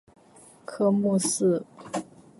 科目四